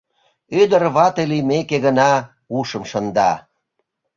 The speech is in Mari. Ӱдыр вате лиймеке гына ушым шында.